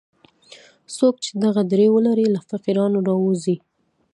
څوک چې دغه درې ولري له فقیرانو راووځي.